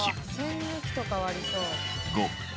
栓抜きとかはありそう。